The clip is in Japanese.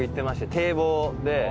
堤防で。